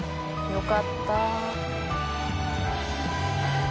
よかったぁ。